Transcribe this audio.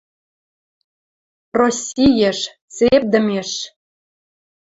Россиеш, цепдӹмеш